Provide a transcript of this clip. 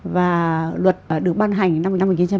và luật được ban hành năm một nghìn chín trăm chín mươi chín